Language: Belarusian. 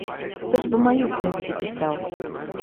Хто ж бы маю кнігу дапісаў?